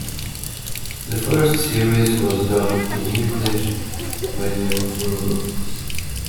The first series was dubbed in English by The Ocean Group.